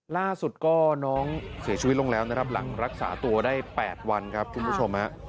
ล่าสุดก็น้องเสียชีวิตลงแล้วนะครับหลังรักษาตัวได้๘วันครับคุณผู้ชมฮะ